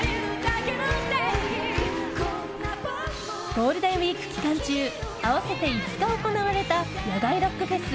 ゴールデンウィーク期間中合わせて５日行われた野外ロックフェス